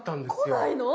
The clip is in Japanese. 来ないの？